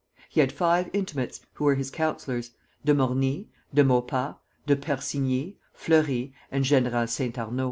He had five intimates, who were his counsellors, De Morny, De Maupas, De Persigny, Fleury, and General Saint Arnaud.